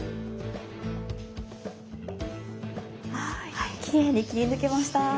はいきれいに切り抜けました。